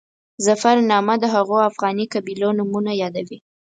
ظفرنامه د هغو افغاني قبیلو نومونه یادوي.